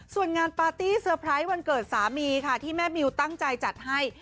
ส่วนงานปาร์ตี้เซอร์ไพรส์วันเกิดสามีค่ะที่แม่มิวตั้งใจจัดให้